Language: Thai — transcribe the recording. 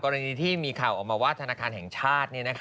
กรณีที่มีข่าวออกมาว่าธนาคารแห่งชาติ